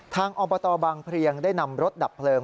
อบตบางเพลียงได้นำรถดับเพลิง